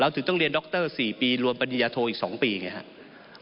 ถึงต้องเรียนดร๔ปีรวมปริญญาโทอีก๒ปีไงครับ